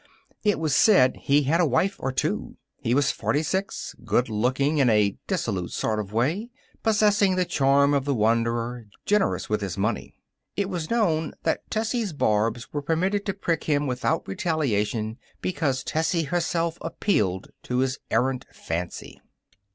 It was said he had a wife or two. He was forty six, good looking in a dissolute sort of way, possessing the charm of the wanderer, generous with his money. It was known that Tessie's barbs were permitted to prick him without retaliation because Tessie herself appealed to his errant fancy.